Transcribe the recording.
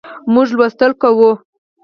موږ لوستل کوو